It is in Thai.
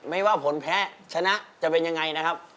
ไม่ว่าผลแพ้ชนะจะเป็นยังไงนะครับ